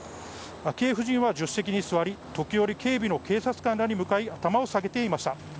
昭恵夫人は助手席に座り、時折警備の警察官らに向かい、頭を下げていました。